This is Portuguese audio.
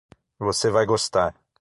Você vai gostar